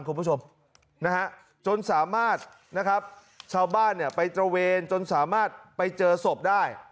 คุณผู้ชมนะฮะจนสามารถนะครับชาวบ้านเนี่ยไปเจอสพได้